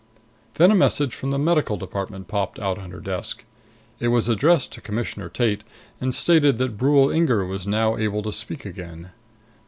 Then a message from the Medical Department popped out on her desk. It was addressed to Commissioner Tate and stated that Brule Inger was now able to speak again.